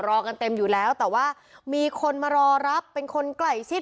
กันเต็มอยู่แล้วแต่ว่ามีคนมารอรับเป็นคนใกล้ชิด